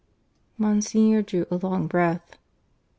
Monsignor drew a long breath.